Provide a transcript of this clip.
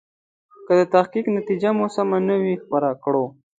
که د تحقیق نتیجه مو سمه نه وي خپره کړو.